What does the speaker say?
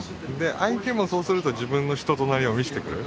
相手もそうすると自分の人となりを見せてくれる。